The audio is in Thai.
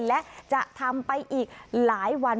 และจะทำไปอีกหลายวัน